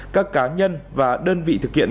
các cá nhân và đơn vị thực hiện